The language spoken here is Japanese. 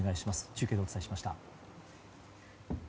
中継でお伝えしました。